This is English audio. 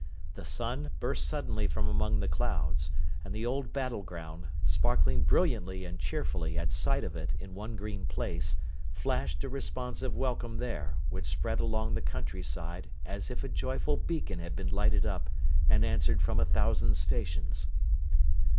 The sun burst suddenly from among the clouds; and the old battle ground, sparkling brilliantly and cheerfully at sight of it in one green place, flashed a responsive welcome there, which spread along the country side as if a joyful beacon had been lighted up, and answered from a thousand stations.